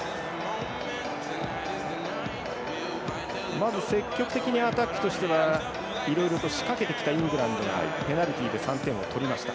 まず積極的にアタックとしてはいろいろと仕掛けてきたイングランドがペナルティで３点を取りました。